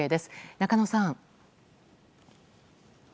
中野さん。